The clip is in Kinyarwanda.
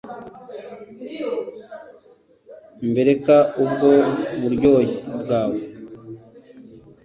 mbereka ubwo buryohe bwawe